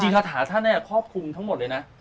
จริงคาถาท่านคอบคุมทั้งหมดเลยนะ